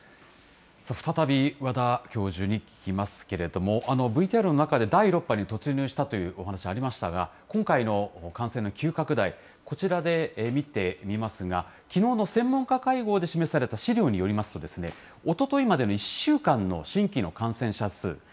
再び和田教授に聞きますけれども、ＶＴＲの中で第６波に突入したというお話ありましたが、今回の感染の急拡大、こちらで見てみますが、きのうの専門家会合で示された資料によりますとですね、おとといまでの１週間の新規の感染者数。